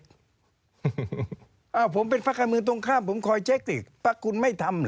คอยเช็คผมเป็นภาคมือตรงข้ามผมคอยเช็คสิภาคคุณไม่ทำเหรอ